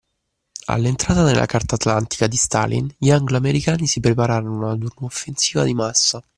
All'entrata nella Carta Atlantica di Stalin, gli anglo-americani si preparano ad una offensiva di massa